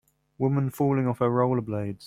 Woman falling off her rollerblades.